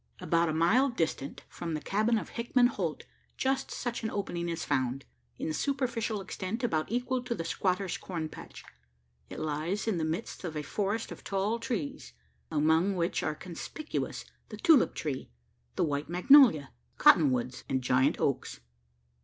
About a mile distant from the cabin of Hickman Holt just such an opening is found in superficial extent about equal to the squatter's corn patch. It lies in the midst of a forest of tall trees among which are conspicuous the tulip tree, the white magnolia, cotton woods, and giant oaks.